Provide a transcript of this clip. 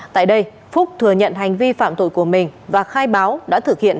tại đây phúc thừa nhận hành vi phạm tội của mình và khai báo đã thực hiện